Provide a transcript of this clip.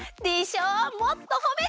もっとほめて。